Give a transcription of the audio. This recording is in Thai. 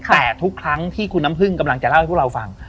แต่ทุกครั้งที่คุณน้ำพึ่งกำลังจะเล่าให้พวกเราฟัง